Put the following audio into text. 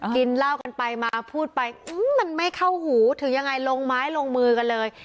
กินเหล้ากันไปมาพูดไปมันไม่เข้าหูถึงยังไงลงไม้ลงมือกันเลย